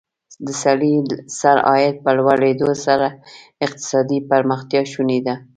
د سړي سر عاید په لوړېدو سره اقتصادي پرمختیا شونې ده.